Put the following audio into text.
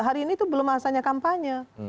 hari ini tuh belum asalnya kampanye